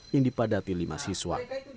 yang dipadati lima siswa